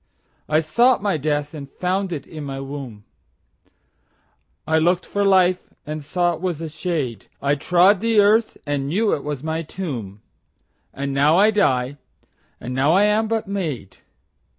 13I sought my death and found it in my womb,14I lookt for life and saw it was a shade,15I trode the earth and knew it was my tomb,16And now I die, and now I am but made.